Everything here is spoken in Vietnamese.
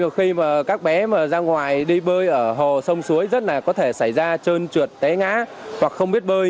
nhiều khi mà các bé mà ra ngoài đi bơi ở hồ sông suối rất là có thể xảy ra trơn trượt té ngá hoặc không biết bơi